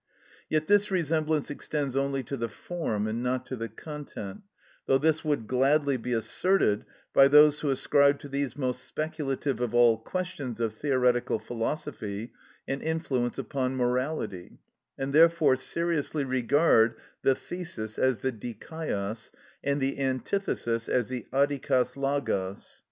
Yet this resemblance extends only to the form and not to the content, though this would gladly be asserted by those who ascribe to these most speculative of all questions of theoretical philosophy an influence upon morality, and therefore seriously regard the thesis as the δικαιος, and the antithesis as the αδικος λογος.